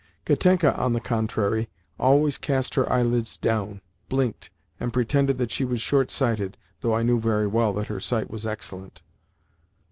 Katenka, on the contrary, always cast her eyelids down, blinked, and pretended that she was short sighted, though I knew very well that her sight was excellent.